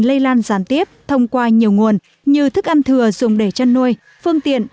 dịch tả lợn giảm tiếp thông qua nhiều nguồn như thức ăn thừa dùng để chăn nuôi phương tiện